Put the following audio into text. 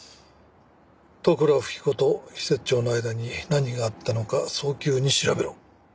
利倉富貴子と施設長の間に何があったのか早急に調べろ。